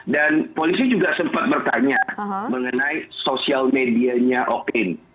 dan polisi juga sempat bertanya mengenai sosial medianya oklin